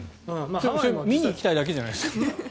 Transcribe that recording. それ見に行きたいだけじゃないですか。